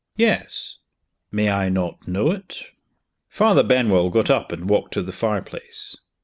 "Yes." "May I not know it?" Father Benwell got up and walked to the fireplace.